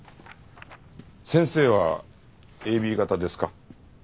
先生はＡＢ型ですか？